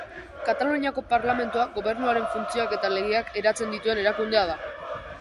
Kataluniako Parlamentua Gobernuaren funtzioak eta legeak eratzen dituen erakundea da.